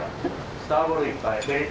スターボールいっぱい。